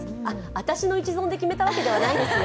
私の一存で決めたわけではないですよ。